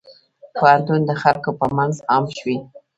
پوهنتون د خلکو په منځ عام شوی.